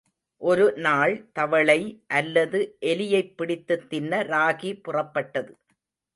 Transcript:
ஒரு நாள் தவளை அல்லது எலியைப் பிடித்துத் தின்ன ராகி புறப்பட்டது.